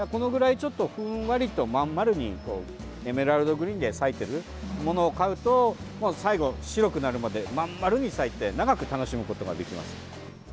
ふんわりと、まん丸にエメラルドグリーンで咲いているものを買うと最後、白くなるまでまん丸に咲いて長く楽しむことができます。